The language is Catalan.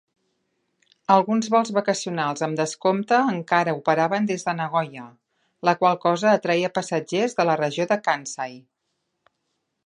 Alguns vols vacacionals amb descompte encara operaven des de Nagoya, la qual cosa atreia passatgers de la regió de Kansai.